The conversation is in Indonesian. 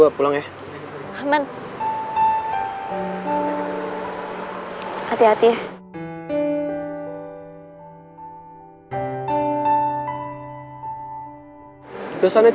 mak apu apu gjolo diem ya